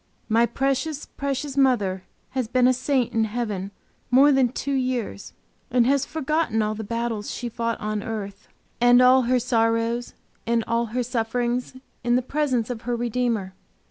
My precious, precious mother has been a saint in heaven more than two years, and has forgotten all the battles she fought on earth, and all her sorrows and all her sufferings in the presence of her Redeemer.